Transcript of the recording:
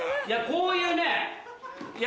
こういう。